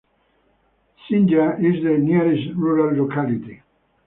Senga is the nearest rural locality.